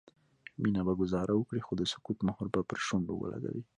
مينه به ګذاره وکړي خو د سکوت مهر به پر شونډو ولګوي